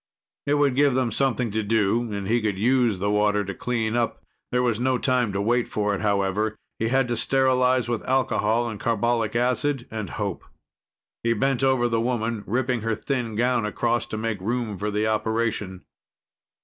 It would give them something to do and he could use the water to clean up. There was no time to wait for it, however. He had to sterilize with alcohol and carbolic acid, and hope. He bent over the woman, ripping her thin gown across to make room for the operation.